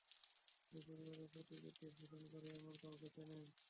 এই পরিবারের প্রতি বিদ্বেষ পোষণ করে এমন কাউকে চেনেন?